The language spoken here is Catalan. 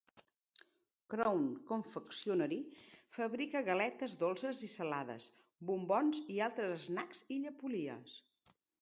Crown Confectionery fabrica galetes dolces i salades, bombons i altres snacks i llepolies.